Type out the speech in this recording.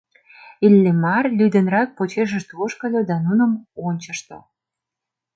Иллимар лӱдынрак почешышт ошкыльо да нуным ончышто.